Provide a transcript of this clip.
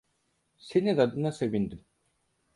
Senin adına sevindim.